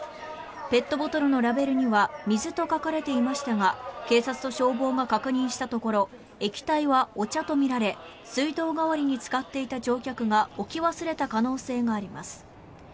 ペットボトルのラベルには水と書かれていましたが警察と消防が確認したところ液体はお茶とみられ水道代わりに使っていた乗客が置き忘れた可能性があります。